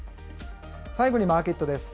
最後にマーケットです。